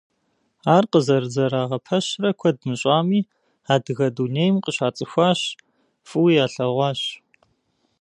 Ар къызэрызэрагъэпэщрэ куэд мыщӏами, адыгэ дунейм къыщацӏыхуащ, фӏыуи ялъэгъуащ.